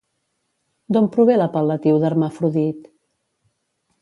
D'on prové l'apel·latiu d'Hermafrodit?